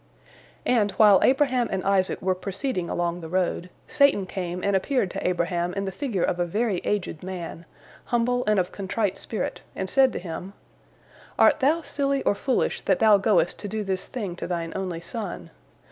" And while Abraham and Isaac were proceeding along the road, Satan came and appeared to Abraham in the figure of a very aged man, humble and of contrite spirit, and said to him: "Art thou silly or foolish, that thou goest to do this thing to thine only son?